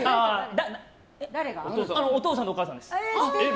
お父さんとお母さんです。